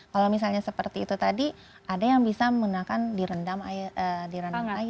kalau misalnya seperti itu tadi ada yang bisa menggunakan direndam air